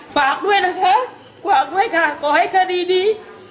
ฝากด้วยนะคะขอให้คดีดี้